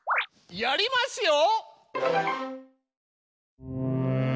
やりますよ！